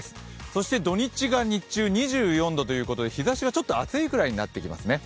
そして土日が日中２４度ということで日差しがちょっと暑いくらいになってきますね。